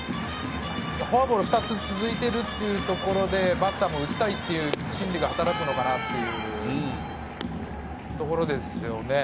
フォアボールが２つ続いていいるというところでバッターも打ちたいという心理が働くのかなっていうところですよね。